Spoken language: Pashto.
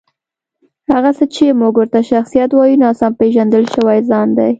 هغه څه چې موږ ورته شخصیت وایو، ناسم پېژندل شوی ځان دی.